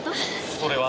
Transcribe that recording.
そそれは。